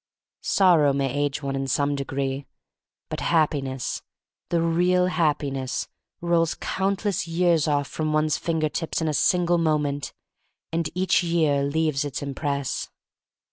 Sor row may age one in some degree. But Happiness — the real Happiness — rolls countless years off from one's finger tips in a single moment, and each year leaves its impress.